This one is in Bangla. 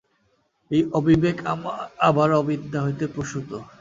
এই অবিবেক আবার অবিদ্যা হইতে প্রসূত।